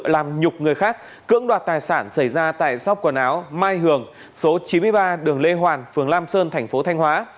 làm nhục người khác cưỡng đoạt tài sản xảy ra tại shop quần áo mai hường số chín mươi ba đường lê hoàn phường lam sơn tp thanh hóa